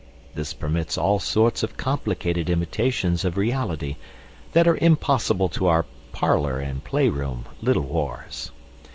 This permits all sorts of complicated imitations of reality that are impossible to our parlour and playroom Little Wars.